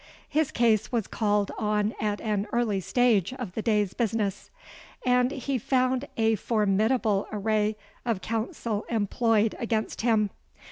His case was called on at an early stage of the day's business; and he found a formidable array of counsel employed against him.